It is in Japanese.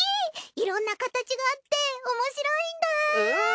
いろんな形があっておもしろいんだ！